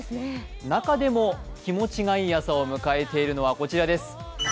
中でも気持ちがいい朝を迎えているのは、こちらです。